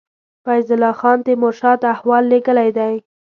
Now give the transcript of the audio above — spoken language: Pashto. فیض الله خان تېمور شاه ته احوال لېږلی دی.